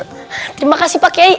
terima kasih pak kiai